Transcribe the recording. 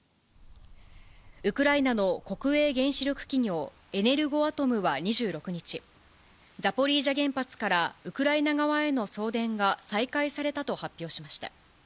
ウクライナの国営原子力企業、エネルゴアトムは２６日、ザポリージャ原発からウクライナ側への送電が再開されたと発表しました。